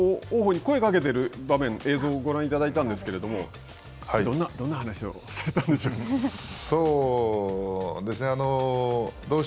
鵬に声をかけている場面映像でご覧いただいたんですけどどんな話をされたんでしょう？